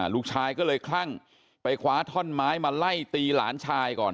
ลูกชายก็เลยคลั่งไปคว้าท่อนไม้มาไล่ตีหลานชายก่อน